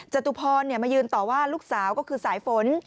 จตุพรมายืนต่อว่าลูกสาวก็คือสายฝน